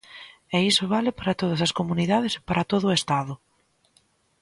E iso vale para todas as comunidades e para todo o Estado.